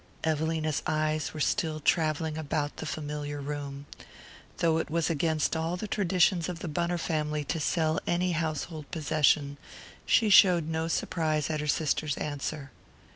Evelina's eyes were still travelling about the familiar room. Though it was against all the traditions of the Bunner family to sell any household possession, she showed no surprise at her sister's answer.